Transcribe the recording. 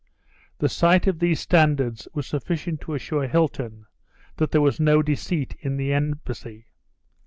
The sight of these standards was sufficient to assure Hilton there was no deceit in the embassy.